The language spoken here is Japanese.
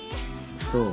そう？